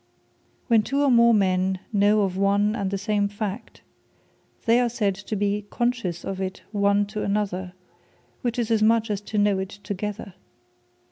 When two, or more men, know of one and the same fact, they are said to be CONSCIOUS of it one to another; which is as much as to know it together.